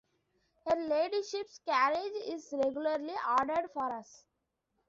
Her ladyship's carriage is regularly ordered for us.